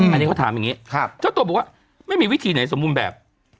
อันนี้เขาถามอย่างนี้เจ้าตัวบอกว่าไม่มีวิธีไหนสมบูรณ์แบบ